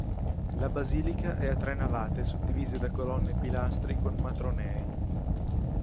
La basilica è a tre navate, suddivise da colonne e pilastri, con matronei.